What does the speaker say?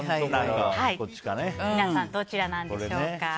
皆さん、どちらなんでしょうか。